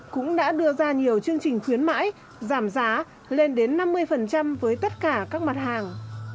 cũng đã đưa ra nhiều chương trình khuyến mãi giảm giá lên đến năm mươi với tất cả các mặt hàng